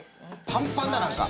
パンパンだ何か。